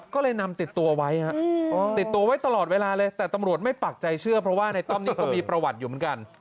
ก็เลยนำติดตัวไว้ฮะติดตัวไว้ตลอดเวลาเลยแต่ตำรวจไม่ปักใจเชื่อเพราะว่าในต้อมนี้ก็มีประวัติอยู่เหมือนกัน